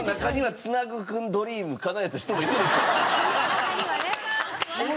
中にはね。